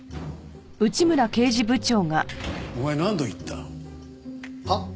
おいお前何度言った？はっ？